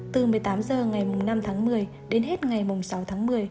từ một mươi tám h ngày năm tháng một mươi đến hết ngày sáu tháng một mươi